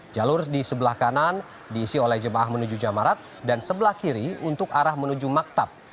jalur di sebelah kanan diisi oleh jemaah menuju jamarat dan sebelah kiri untuk arah menuju maktab